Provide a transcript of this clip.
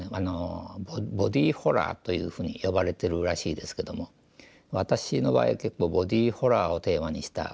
ボディーホラーというふうに呼ばれてるらしいですけども私の場合結構ボディーホラーをテーマにした作品が多いですね。